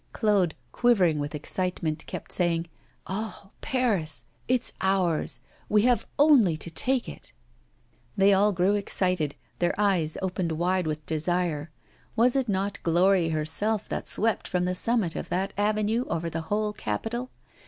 Claude, quivering with excitement, kept saying: 'Ah! Paris! It's ours. We have only to take it.' They all grew excited, their eyes opened wide with desire. Was it not glory herself that swept from the summit of that avenue over the whole capital?